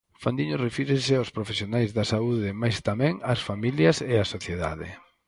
Fandiño refírese aos profesionais da saúde, mais tamén ás familias e á sociedade.